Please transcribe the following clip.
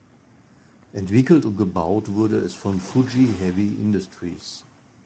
Entwickelt und gebaut wurde es von Fuji Heavy Industries.